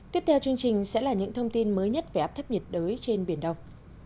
tiếp theo chương trình sẽ là những thông tin mới nhất về áp thấp nhiệt đới trên biển đông